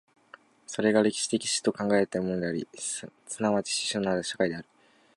それが歴史的種と考えられるものであり、即ち種々なる社会である。